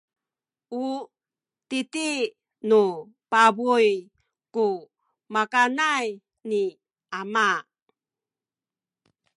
u titi nu pabuy ku makanay ni ama.